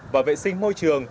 và vệ sinh môi trường